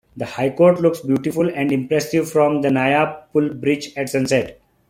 The High Court looks beautiful and impressive from the Naya Pul Bridge at sunset.